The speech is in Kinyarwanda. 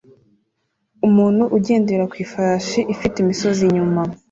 Umuntu ugendera ku ifarashi ifite imisozi inyuma